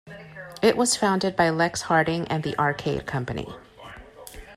It was founded by Lex Harding and the Arcade company.